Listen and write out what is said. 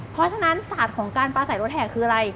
เพราะฉะนั้นศาสตร์ของการปลาใส่รถแห่คืออะไร